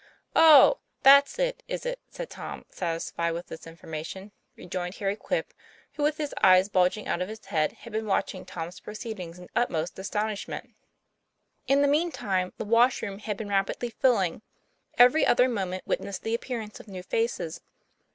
" Oh ! that's it is it ?" and Tom, satisfied with this information, rejoined Harry Quip, who with his eyes bulging out of his head had been watching Tom's proceedings in utmost astonishment. In the mean time the wash room had been rapidly filling. Every other moment witnessed the appear ance of new faces.